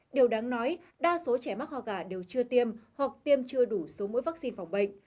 điều đáng nói đa số trẻ mắc ho gà đều chưa tiêm hoặc tiêm chưa đủ số mũi vaccine phòng bệnh